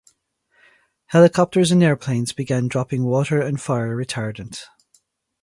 Helicopters and airplanes began dropping water and fire retardant.